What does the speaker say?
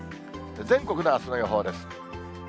全国のあすの予報です。